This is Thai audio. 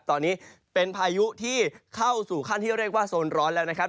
ตอนนี้เป็นพายุที่เข้าสู่ขั้นที่เรียกว่าโซนร้อนแล้วนะครับ